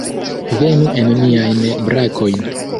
Venu en niajn brakojn!